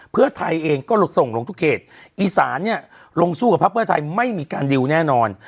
เพื่อไทยเองก็หลุดส่งลงทุกเขตอีสานเนี่ยลงสู้กับพักเพื่อไทยไม่มีการดิวแน่นอน